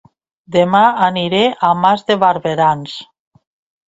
Dema aniré a Mas de Barberans